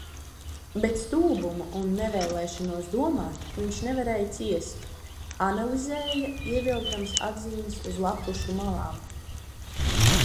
Bet stulbumu un nevēlēšanos domāt viņš nevarēja ciest. Analizēja, ievilkdams atzīmes uz lappušu malām.